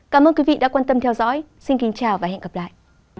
cảm ơn quý vị đã quan tâm theo dõi xin kính chào và hẹn gặp lại